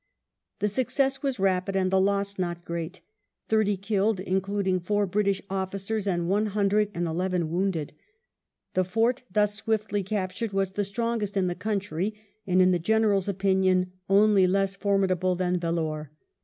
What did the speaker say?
The success was rapid and the loss not great — thirty killed, including four British officers, and one hundred and eleven wounded. The fort thus swiftly captured was the strongest in the country, and in the General's opinion only less formidable than Vellore.